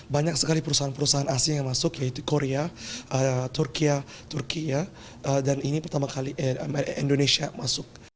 banyak sekali perusahaan perusahaan asia yang masuk yaitu korea turki turki ya dan ini pertama kali indonesia masuk